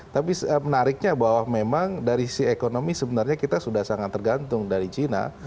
tapi menariknya bahwa memang dari sisi ekonomi sebenarnya kita sudah sangat tergantung dari cina